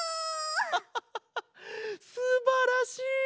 ハハハハすばらしい。